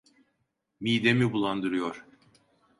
Midemi bulandırıyor.